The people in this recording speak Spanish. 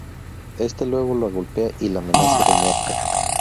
Este luego la golpea y la amenaza de muerte.